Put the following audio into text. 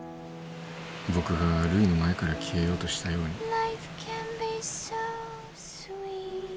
僕がるいの前から消えようとしたように。